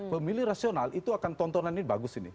pemilih rasional itu akan tontonan ini bagus ini